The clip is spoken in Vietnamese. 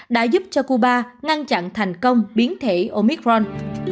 đã giúp cho cuba ngăn chặn thành công biến thể omicron